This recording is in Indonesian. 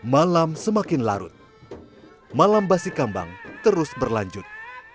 malam semakin larut malam basikambang terus berlanjut